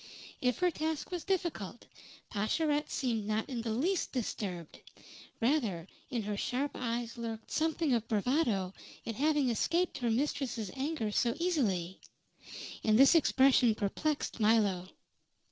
If her task was difficult, Pascherette seemed not in the least disturbed; rather in her sharp eyes lurked something of bravado at having escaped her mistress's anger so easily. And this expression perplexed Milo.